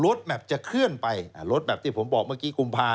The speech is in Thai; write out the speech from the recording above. แมพจะเคลื่อนไปรถแบบที่ผมบอกเมื่อกี้กุมภา